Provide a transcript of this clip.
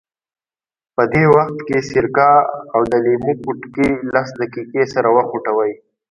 په دې وخت کې سرکه او د لیمو پوټکي لس دقیقې سره وخوټوئ.